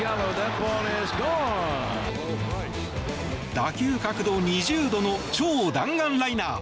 打球角度２０度の超弾丸ライナー。